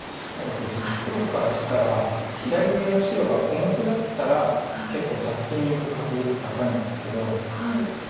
そうですね黒からしたら左上の白が小目だったら結構タスキにいく確率高いんですけど。